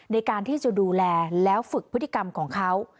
ในการที่จะดูแลแล้วฝึกพฤติกรรมของเขา